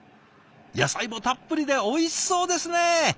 野菜もたっぷりでおいしそうですね。